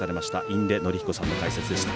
印出順彦さんの解説でした。